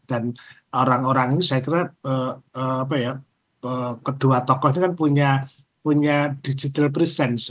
dan orang orang ini saya kira kedua tokoh ini kan punya digital presence